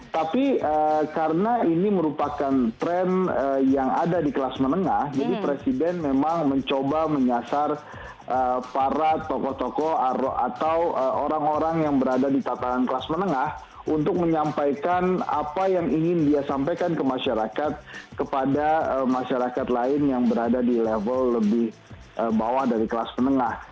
tapi karena ini merupakan tren yang ada di kelas menengah jadi presiden memang mencoba menyasar para tokoh tokoh atau orang orang yang berada di tatanan kelas menengah untuk menyampaikan apa yang ingin dia sampaikan ke masyarakat kepada masyarakat lain yang berada di level lebih bawah dari kelas menengah